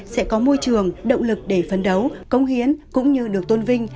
sẽ có môi trường động lực để phấn đấu công hiến cũng như được tôn vinh